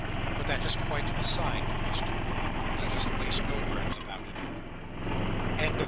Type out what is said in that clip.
But that is quite beside the question. Let us waste no words about it. CHAPTER VII.